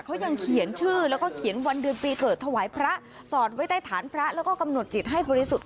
เขายังเขียนชื่อแล้วก็เขียนวันเดือนปีเกิดถวายพระสอนไว้ใต้ฐานพระแล้วก็กำหนดจิตให้บริสุทธิ์